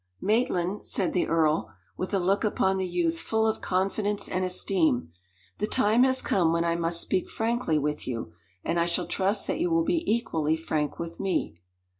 "Maitland," said the earl, with a look upon the youth full of confidence and esteem, "the time has come when I must speak frankly with you; and I shall trust that you will be equally frank with me."